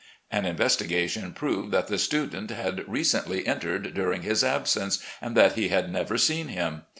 An investigation proved that the student had recently entered during his absence, and that he had never seen him.